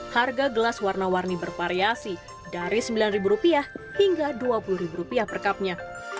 harga gelas warna warni bervariasi dari rp sembilan hingga rp dua puluh rupiah per cupnya